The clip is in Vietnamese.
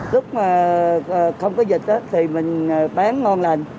lúc không có dịch thì mình bán ngon lành